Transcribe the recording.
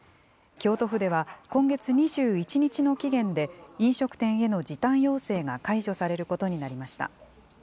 京都府では今月２１日の期限で、飲食店への時短要請が解除されることになりました。